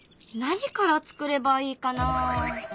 何からつくればいいかな？